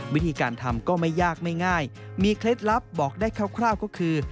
วิธีการทำก็ไม่ยากไม่ง่ายมีเคล็ดลับบอกได้คร่าวก็คือ